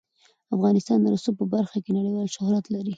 افغانستان د رسوب په برخه کې نړیوال شهرت لري.